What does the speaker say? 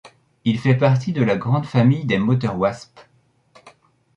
Il fait partie de la grande famille des moteurs Wasp.